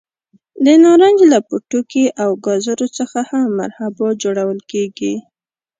د نارنج له پوټکي او ګازرو څخه هم مربا جوړول کېږي.